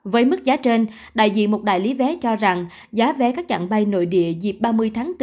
với mức giá trên đại diện một đại lý vé cho rằng giá vé các chặng bay nội địa dịp ba mươi tháng bốn